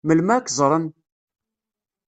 Melmi ad k-ẓṛen?